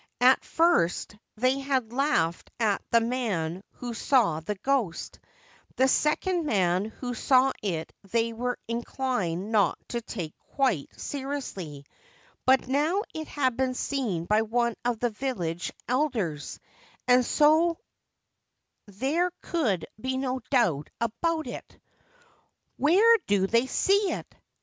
At first they had laughed at the man who saw the ghost ; the second man who saw it they were inclined not to take quite seriously ; but now it had been seen by one of the village elders, and so there could be no doubt about it. ' Where do they see it